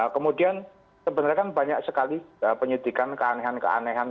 kemudian sebenarnya kan banyak sekali penyidikan keanehan keanehan